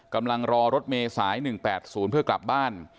กำลังรอรถเมษาย๑๘๐เพื่อกลับบ้าน